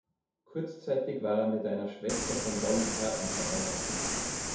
Kurzzeitig war er mit einer Schwester von Dolly Parton verheiratet.